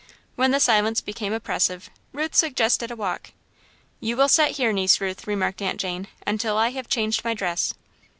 When the silence became oppressive, Ruth suggested a walk. "You will set here, Niece Ruth," remarked Aunt Jane, "until I have changed my dress."